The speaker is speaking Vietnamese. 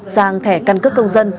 sang thẻ căn cứ công dân